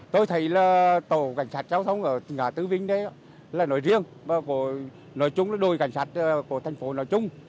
tôi thấy là tổ cảnh sát giao thông ở ngã tứ vĩnh đấy là nổi riêng nổi chung là đôi cảnh sát của thành phố nổi chung